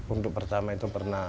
untuk pertama itu pernah